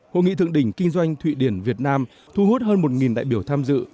hội nghị thượng đỉnh kinh doanh thụy điển việt nam thu hút hơn một đại biểu tham dự